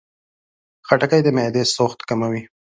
خټکی د معدې سوخت کموي.